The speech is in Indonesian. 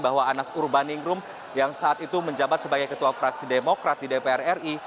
bahwa anas urbaningrum yang saat itu menjabat sebagai ketua fraksi demokrat di dpr ri